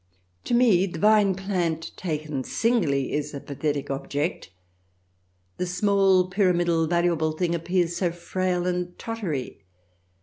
... To me the vine plant, taken singly, is a pathetic object. The small, pyramidal, valuable thing appears so frail and tottery.